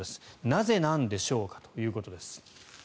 なぜなんでしょうかということです。